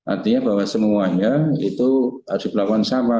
artinya bahwa semuanya itu harus dilakukan sama